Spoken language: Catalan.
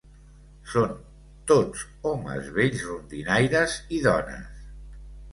Són tots homes vells rondinaires i dones.